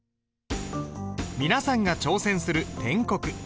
皆さんが挑戦する篆刻。